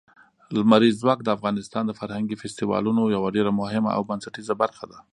لمریز ځواک د افغانستان د فرهنګي فستیوالونو یوه ډېره مهمه او بنسټیزه برخه ده.